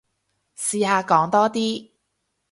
試下講多啲